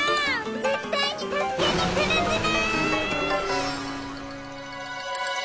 絶対に助けにくるズラ！